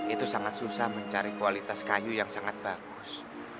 itu sangat susah mencari kualitas kayu yang sangat bagus